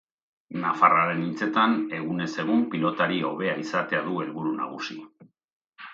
Nafarraren hitzetan, egunez egun pilotari hobea izatea du helburu nagusi.